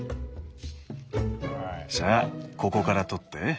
さあここから取って。